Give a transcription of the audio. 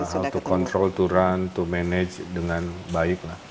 ya untuk control to run to manage dengan baik